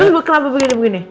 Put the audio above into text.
tuh kenapa begini begini